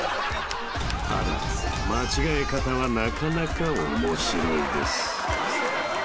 ［ただ間違え方はなかなか面白いです］